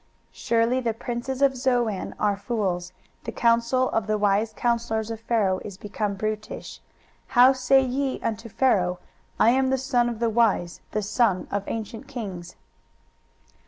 23:019:011 Surely the princes of Zoan are fools, the counsel of the wise counsellors of Pharaoh is become brutish: how say ye unto Pharaoh, I am the son of the wise, the son of ancient kings?